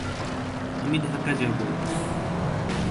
মডেলিংয়ে তিনি শিকাগো এবং প্যারিসের মতো শহরে কাজ করেছিলেন।